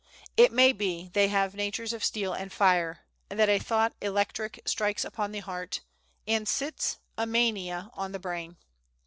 It may be they have natures of steel and fire, and that a thought electric strikes upon the heart, and sits, a mania, on the brain.